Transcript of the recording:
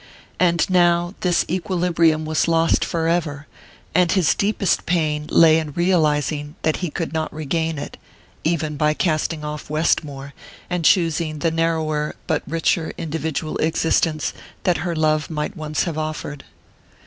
And now this equilibrium was lost forever, and his deepest pain lay in realizing that he could not regain it, even by casting off Westmore and choosing the narrower but richer individual existence that her love might once have offered.